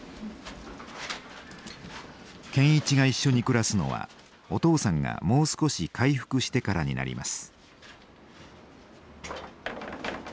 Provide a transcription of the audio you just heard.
健一が一緒に暮らすのはお父さんがもう少し回復してからになります。